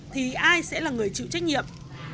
thì ai sẽ là người chịu trách nhiệm